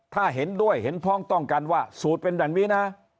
ถ้าเห็นด้วยเห็นพ้องต้องกันว่าสูตรเป็นแบบนี้นะ